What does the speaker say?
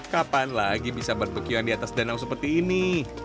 kapan lagi bisa berbekian di atas danau seperti ini